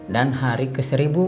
dan hari ke seribu